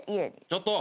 ちょっと！